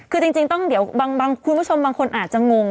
คือจริงต้องเดี๋ยวคุณผู้ชมบางคนอาจจะงง